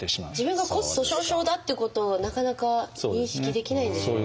自分が骨粗しょう症だっていうことをなかなか認識できないんでしょうね。